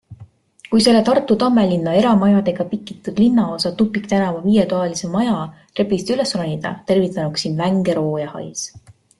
Kui selle Tartu Tammelinna eramajadega pikitud linnaosa tupiktänava viietoalise maja trepist üles ronida, tervitanuks sind vänge roojahais.